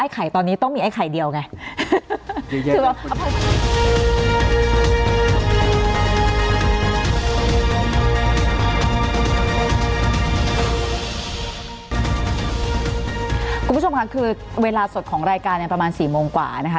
คุณผู้ชมค่ะคือเวลาสดของรายการประมาณ๔โมงกว่านะคะ